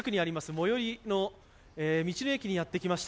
最寄りの道の駅にやってきました。